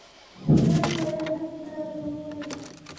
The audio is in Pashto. بیا مې ویل هسې نه راته ووایي.